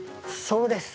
そうです。